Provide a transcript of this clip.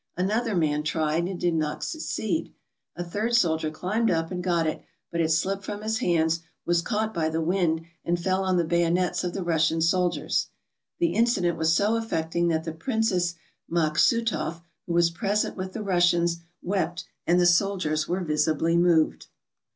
Another man tried and did not succeed. A third soldier climbed up and got it, but it slipped from his hands, was caught by the wind, and fell on the bayonets of the Russian soldiers. The incident was so affecting that the Princess Maksutoff, who was present with the Russians, wept, and the soldiers were visibly moved.